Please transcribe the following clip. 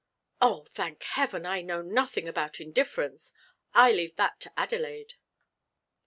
"Oh, thank heaven! I know nothing about indifference; I leave that to Adelaide."